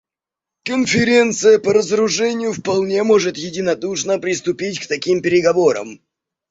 Конференция по разоружению вполне может единодушно приступить к таким переговорам.